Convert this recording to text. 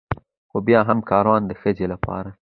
خو بيا هم کاروان د ښځې لپاره